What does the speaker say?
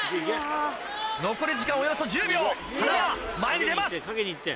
残り時間およそ１０秒塙前に出ます。